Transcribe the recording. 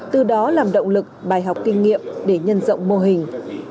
từ đó làm động lực bài học kinh nghiệm để nhân rộng mô hình